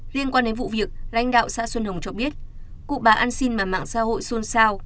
liên quan đến vụ việc lãnh đạo xã xuân hồng cho biết cụ bà ăn xin mà mạng xã hội xôn xao